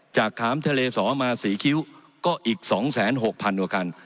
จากขามทะเลสอมาศรีคิ้วก็อีก๒๖๐๐พันกว่าคัน